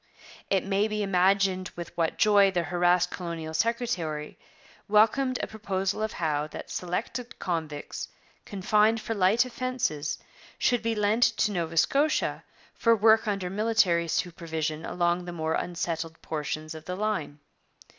It may be imagined with what joy the harassed colonial secretary welcomed a proposal of Howe that selected convicts, confined for light offences, should be lent to Nova Scotia for work under military supervision along the more unsettled portions of the line.